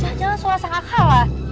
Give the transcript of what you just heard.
jangan jangan suara sangka kala